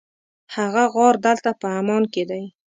هغه غار دلته په عمان کې دی.